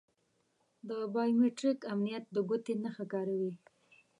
د بایو میتریک امنیت د ګوتې نښه کاروي.